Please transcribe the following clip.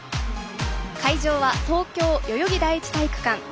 会場は東京・代々木第一体育館。